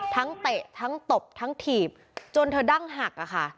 เตะทั้งตบทั้งถีบจนเธอดั้งหักอะค่ะ